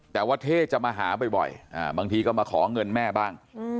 แต่ว่าเท่จะมาหาบ่อยบางทีก็มาขอเงินแม่บ้าง